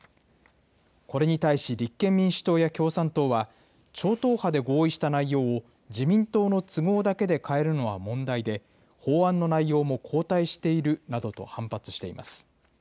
これに対し、立憲民主党や共産党は、超党派で合意した内容を自民党の都合だけで変えるのは問題で、法案の内容も後退しているなどと反発しています。